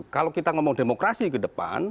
kalau kita ngomong demokrasi ke depan